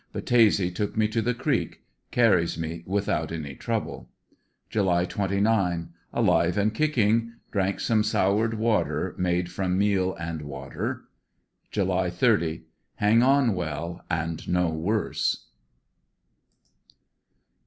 Battese took me to the creek ; carries me without any trouble. July 29. — Alive and kicking Drank some soured water made from meal and water. July 30, — Hang on well, and no worse.